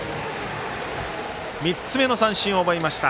３つ目の三振を奪いました。